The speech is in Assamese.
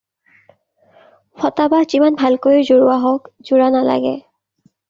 ফটা বাঁহ যিমান ভালকৈয়ে জোৰোৱা হওক জোৰা নালাগে।